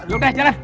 aduh udah jalan